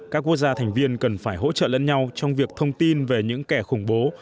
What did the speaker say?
các quốc gia thành viên cần phải hỗ trợ lẫn nhau trong việc thông tin về những kẻ khủng bố